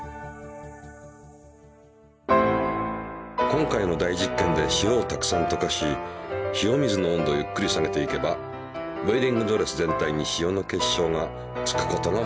今回の大実験で塩をたくさんとかし塩水の温度をゆっくり下げていけばウエディングドレス全体に塩の結晶がつくことがわかった。